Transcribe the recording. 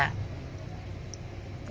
pasir semen juga